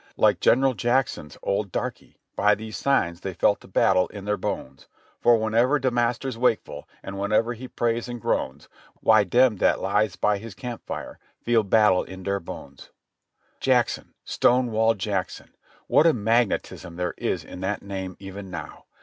Like General Jackson's old darky, "by these signs, they felt a battle in their bones." "For whenever de masta's wakeful And whenever he prays and groans, Why dem dat lies by his camp fire Feel battle in dere bones." Jackson ! Stonewall Jackson ! What a magnetism there is in that name even now.